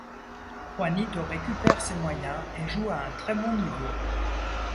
Juanito récupère ses moyens et joue à un très bon niveau.